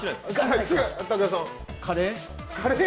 カレー？